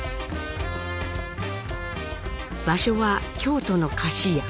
場所は京都の菓子屋。